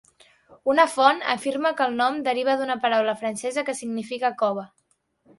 Una font afirma que el nom deriva d'una paraula francesa que significa "cova".